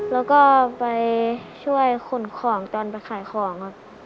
แล้วก็ไปช่วยขนของตอนไปขายของครับ